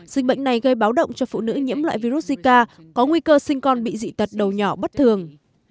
dịch bệnh này gây báo động cho phụ nữ nhiễm loại virus zika có nguy cơ sinh con bị dị tật đầu nhỏ bất thường